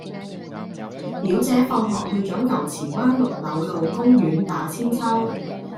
表姐放學去左牛池灣綠柳路公園打韆鞦